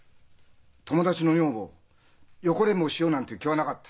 友達の女房を横恋慕しようなんていう気はなかった。